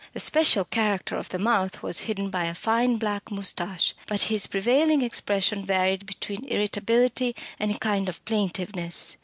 The special character of the mouth was hidden by a fine black moustache, but his prevailing expression varied between irritability and a kind of plaintiveness.